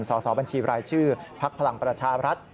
สอบบัญชีรายชื่อพักพลังประชารัฐ